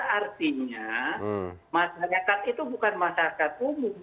artinya masyarakat itu bukan masyarakat umum